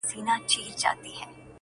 • چي غلیم یې هم د سر هم د ټبر وي -